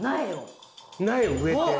苗を植えて。